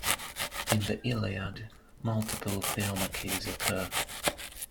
In the "Iliad", multiple theomachies occur.